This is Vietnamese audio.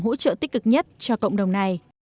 hỗ trợ tích cực nhất cho cộng đồng này